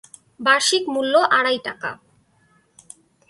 বার্ষিক মূল্য আড়াই টাকা।